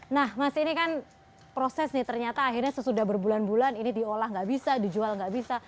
nah mas ini kan proses nih ternyata akhirnya sesudah berbulan bulan ini diolah nggak bisa dijual nggak bisa